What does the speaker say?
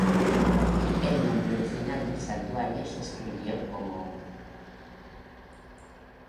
El nombre original del santuario se escribió como 靖國神社.